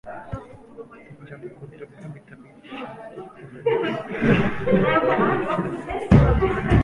তিনি জাতীয় প্রতিরক্ষা বিদ্যাপীঠ, সেনা স্টাফ কলেজ এবং সাঁজোয়া স্কুলের প্রশিক্ষক ছিলেন।